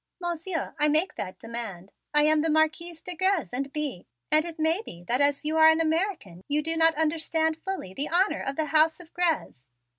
Monsieur, I make that demand. I am the Marquise de Grez and Bye, and it may be that as you are an American you do not understand fully the honor of the house of Grez."